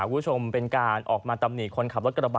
คุณผู้ชมเป็นการออกมาตำหนิคนขับรถกระบะ